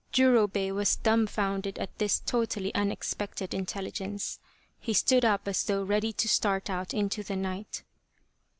Jurobei was dumbfounded at this totally unexpected intelligence. He stood up as though ready to start out into the night.